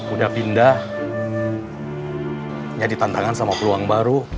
udah pindah jadi tantangan sama peluang baru